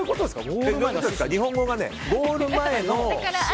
日本語がね、ゴール前の。